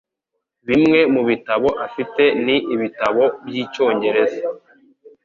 Bimwe mubitabo afite ni ibitabo byicyongereza.